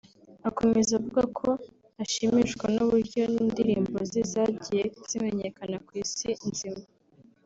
Akomeza avuga ko ashimishwa n’uburyo n’indirimbo ze zagiye zimenyekana ku isi nzima